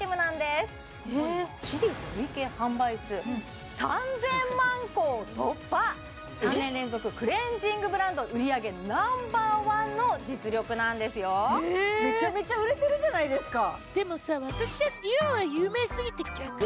すごいなシリーズ累計販売数３０００万個を突破３年連続クレンジングブランド売上Ｎｏ．１の実力なんですよーめちゃめちゃ売れてるじゃないですかでもさ